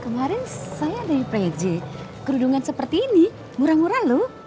kemarin saya di prj kerudungan seperti ini murah murah lho